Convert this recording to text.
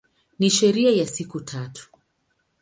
Ni sherehe ya siku tatu.